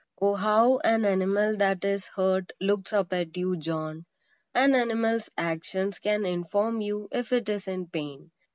Oh, how an animal that is hurt looks up at you, John! An animal's actions can inform you if it is in pain.